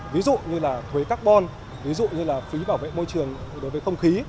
ví dụ như là thuế carbon ví dụ như là phí bảo vệ môi trường đối với không khí